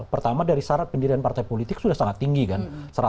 pertama dari syarat pendirian partai politik sudah sangat tinggi kan